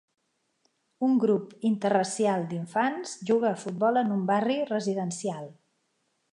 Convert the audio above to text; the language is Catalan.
Un grup interracial d'infants juga a futbol en un barri residencial.